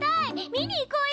見に行こうよ！